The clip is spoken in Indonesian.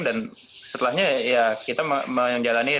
dan setelahnya ya kita menjalani rutinnya